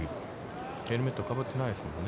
ヘルメットかぶってないですもんね。